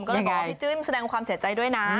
ก็เลยบอกว่าพี่จิ้มแสดงความเสียใจด้วยนะ